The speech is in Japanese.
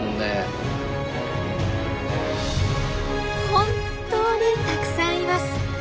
本当にたくさんいます！